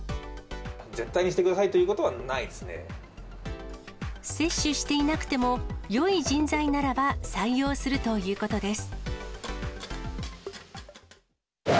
絶対にしてくださいというこ接種していなくても、よい人材ならば、採用するということです。